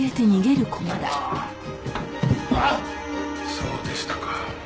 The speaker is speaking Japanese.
そうでしたか。